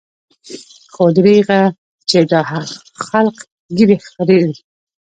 خو درېغه چې دا خلق ږيرې خريي.